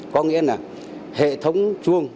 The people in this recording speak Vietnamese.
có nghĩa là hệ thống chuông